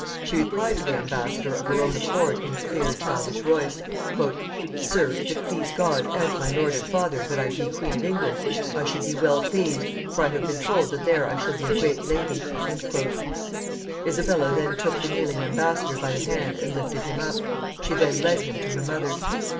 She replied to the embassador of her own accord in a clear, childish voice, "Sir, if it please God and my lord and father that I be Queen of England, I should be well pleased, for I have been told that there I shall be a great lady." Isabella then took the kneeling embassador by the hand and lifted him up. She then led him to her mother.